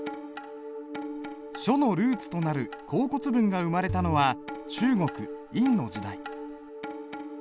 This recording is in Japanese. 書のルーツとなる甲骨文が生まれたのは中国殷の時代。